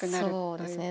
そうですね。